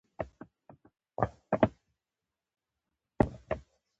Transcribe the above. په انځور کې یو ډیر بدرنګه سړی و.